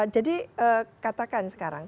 jadi katakan sekarang